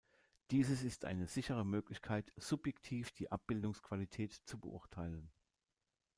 Dieses ist eine sichere Möglichkeit, subjektiv die Abbildungsqualität zu beurteilen.